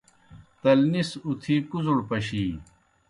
تلنی سہ اُتِھی کُوْزڑ پشِینیْ